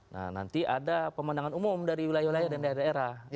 nah nanti ada pemandangan umum dari wilayah wilayah dan daerah daerah